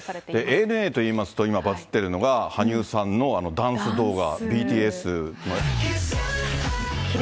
ＡＮＡといいますと、今バズってるのが、羽生さんのダンス動画、ＢＴＳ、これ。